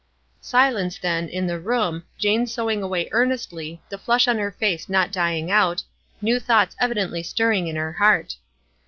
Silence, then, in the room, Jane sewing away earnestly, the flush on her face not dying out, new thoughts evidently stirring in her heart.